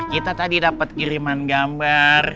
kita tadi dapat kiriman gambar